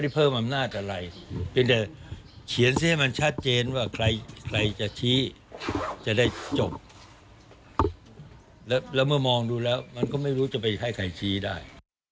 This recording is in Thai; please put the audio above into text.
เพราะฉะนั้นมันก็ไม่ได้เพิ่มอำนาจอะไร